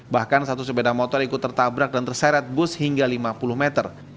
bahkan satu sepeda motor ikut tertabrak dan terseret bus hingga lima puluh meter